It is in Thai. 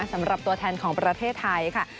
สำหรับตัวแทนของประเทศไทยค่ะ